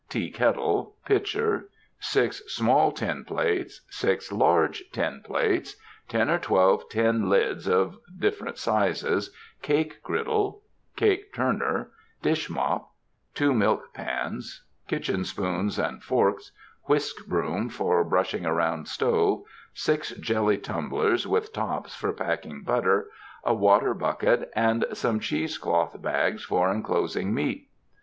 57 UNDER THE SKY IN CALIFORNIA pot, tea kettle, pitcher, six small tin plates, six large tin plates, ten or twelve tin lids of different sizes, cake griddle, cake turner, dish mop, two milk pans, kitchen spoons and forks, whisk broom for brushing around stove, six jelly tumblers with tops for packing butter, a water bucket, and some cheese cloth bags for enclosing meat.